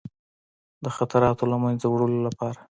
د خطراتو له منځه وړلو لپاره.